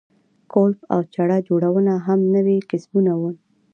کولپ او چړه جوړونه هم نوي کسبونه وو.